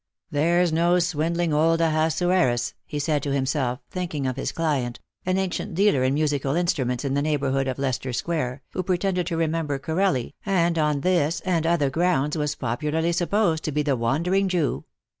" There's no swind ling old Ahasuerus," he said to himself, thinking of his client, an ancient dealer in musical instruments in the neighbourhood of Leicester square, who pretended to remember Corelli, and on this and other grounds was popularly supposed to be the Wan dering Jew.